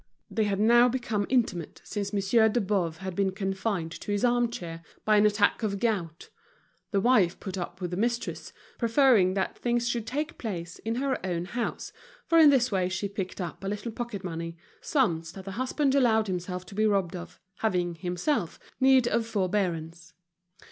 They had now become intimate since Monsieur de Boves had been confined to his arm chair by an attack of gout. The wife put up with the mistress, preferring that things should take place in her own house, for in this way she picked up a little pocket money, sums that the husband allowed himself to be robbed of, having, himself, need of forbearance.